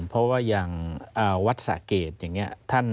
เพราะว่าอย่างวัดสะเกดอย่างนี้